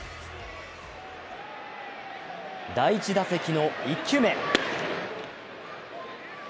第１打席の１球目。